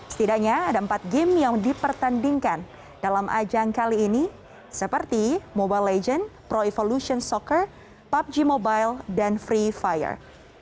setidaknya ada empat game yang dipertandingkan dalam ajang kali ini seperti mobile legends pro evolution soccer pubg mobile dan free fire